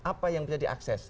apa yang bisa diakses